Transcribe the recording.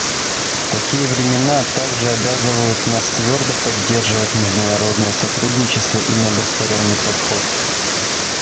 Такие времена также обязывают нас твердо поддерживать международное сотрудничество и многосторонний подход.